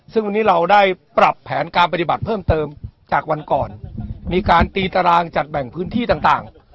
ซึ่งวันนี้เราได้ปรับแผนการปฏิบัติเพิ่มเติมจากวันก่อนมีการตีตารางจัดแบ่งพื้นที่ต่าง